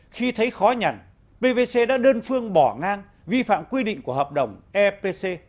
khi thấy khó nhằn pvc đã đơn phương bỏ ngang vi phạm quy định của hợp đồng epc